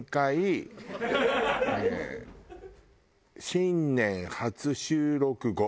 新年初収録後。